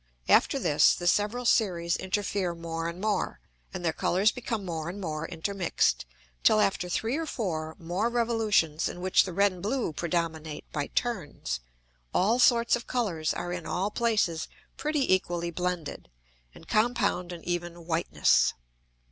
After this the several Series interfere more and more, and their Colours become more and more intermix'd, till after three or four more revolutions (in which the red and blue predominate by turns) all sorts of Colours are in all places pretty equally blended, and compound an even whiteness.